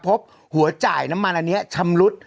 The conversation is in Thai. พบหัวจ่ายน้ำมันอันนี้ชำรุด